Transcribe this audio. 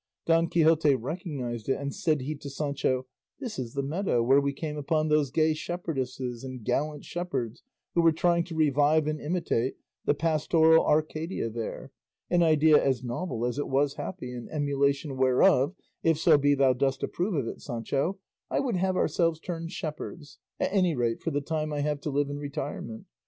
Don Quixote recognised it, and said he to Sancho, "This is the meadow where we came upon those gay shepherdesses and gallant shepherds who were trying to revive and imitate the pastoral Arcadia there, an idea as novel as it was happy, in emulation whereof, if so be thou dost approve of it, Sancho, I would have ourselves turn shepherds, at any rate for the time I have to live in retirement.